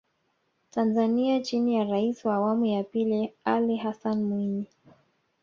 Tanzania chini ya Rais wa awamu ya pili Ali Hassan Mwinyi